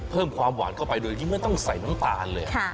เพิ่มความหวานเข้าไปโดยยิ่งไม่ต้องใส่น้ำตาลเลย